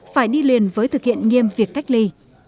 phải đi liền với thực hiện nghiêm việc cách ly